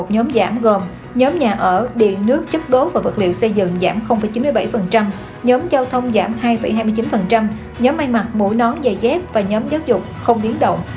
nhóm giảm gồm nhóm nhà ở điện nước chức đố và vật liệu xây dựng giảm chín mươi bảy nhóm giao thông giảm hai hai mươi chín nhóm may mặt mũi nón giày dép và nhóm giáo dục không biến động